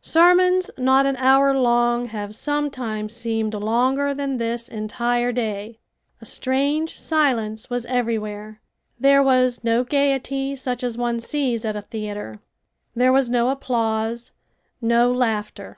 Sermons not an hour long have sometimes seemed longer than this entire day. A strange silence was everywhere. There was no gaiety such as one sees at a theater. There was no applause, no laughter.